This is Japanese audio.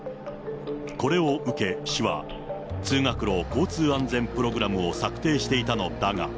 これを受け、市は、通学路交通安全プログラムを策定していたのだが。